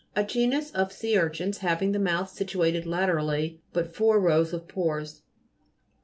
A genus of sea urchins, having the mouth situated laterally, and but four rows of pores.